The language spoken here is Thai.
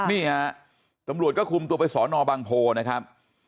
นี่ฮะตำรวจก็คุมตัวไปสอนอบางโพนะครับ